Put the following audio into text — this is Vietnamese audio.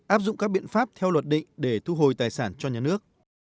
áp dụng các biện pháp theo luật định để thu hồi tài sản cho nhà nước